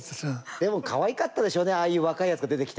でもかわいかったでしょうねああいう若いやつが出てきて。